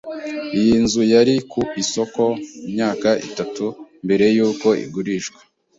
Iyi nzu yari ku isoko imyaka itatu mbere yuko igurishwa.